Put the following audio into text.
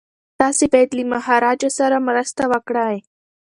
تاسي باید له مهاراجا سره مرسته وکړئ.